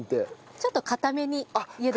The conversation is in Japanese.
ちょっと硬めに茹でてます。